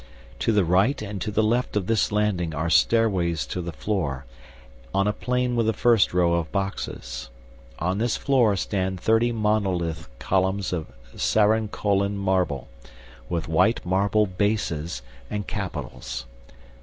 To the right and to the left of this landing are stairways to the floor, on a plane with the first row of boxes. On this floor stand thirty monolith columns of Sarrancolin marble, with white marble bases and capitals.